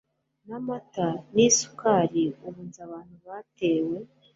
namata nisukari ubu nzi abantu batewe